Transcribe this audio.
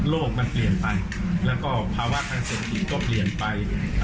โลกเปลี่ยนไปแล้วก็ภาวะกาศาสตร์กิจก็เปลี่ยนไป